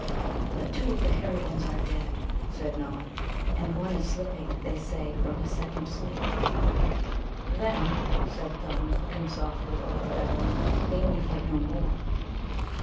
"But two of the hairy ones are dead," said Nod, "and one is slipping, they say, from his second sleep." "Then," said Thumb, looking softly over the valley, "they need fight no more."